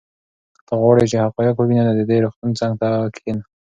که ته غواړې چې حقایق ووینې نو د دې روغتون څنګ ته کښېنه.